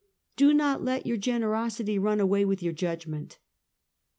Do not let your generosity run away with your judgment."